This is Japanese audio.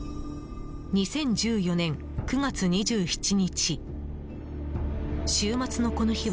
２０１４年９月２７日。